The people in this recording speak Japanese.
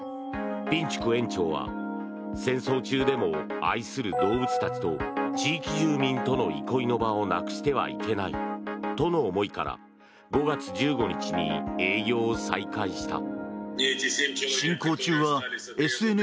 ピンチュク園長は戦争中でも愛する動物たちと地域住民との憩いの場をなくしてはいけないとの思いから５月１５日に営業を再開した。